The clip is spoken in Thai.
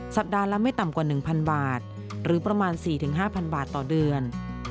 สัปดาห์ละไม่ต่ำกว่า๑๐๐บาทหรือประมาณ๔๕๐๐บาทต่อเดือน